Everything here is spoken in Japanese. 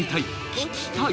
聴きたい！